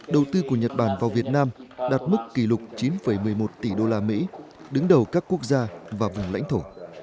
đầu tư của nhật bản vào việt nam đạt mức kỷ lục chín một mươi một tỷ đô la mỹ đứng đầu các quốc gia và vùng lãnh thổ